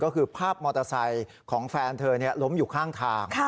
ก็คือภาพมอเตอร์ไซค์ของแฟนเธอล้มอยู่ข้างทาง